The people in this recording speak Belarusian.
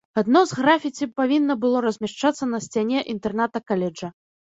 Адно з графіці павінна было размяшчацца на сцяне інтэрната каледжа.